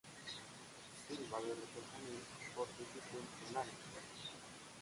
Silva derrotó a Hamill por decisión unánime.